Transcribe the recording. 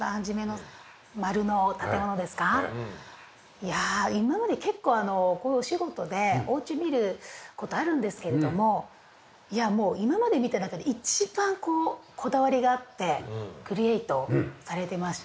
いやあ今まで結構こういうお仕事でお家見る事あるんですけれどもいやもう今まで見た中で一番こだわりがあってクリエートされてました。